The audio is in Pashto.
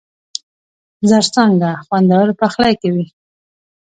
زرڅانگه! خوندور پخلی کوي.